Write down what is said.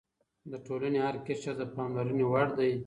د ټولنې هر قشر د پاملرنې وړ دی.